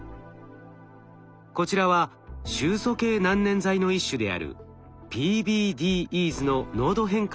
こちらは臭素系難燃剤の一種であるＰＢＤＥｓの濃度変化を追ったグラフです。